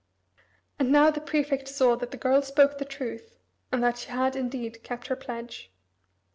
And now the prefect saw that the girl spoke the truth, and that she had indeed kept her pledge.